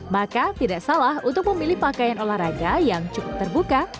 maka tidak salah untuk memilih pakaian olahraga yang cukup terbuka